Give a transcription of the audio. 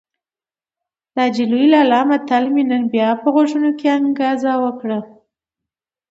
د حاجي لوی لالا متل مې نن بيا په غوږونو کې انګازه وکړه.